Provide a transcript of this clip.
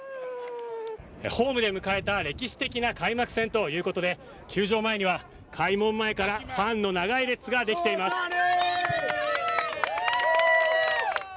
ホームで迎えた歴史的な開幕戦ということで球場前には開門前からファンの長い列ができています。